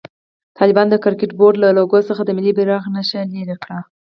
طالبانو د کرکټ بورډ له لوګو څخه د ملي بيرغ نښه لېري کړه.